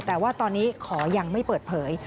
แต่ว่าตอนนี้ขอยังไม่เปิดเผย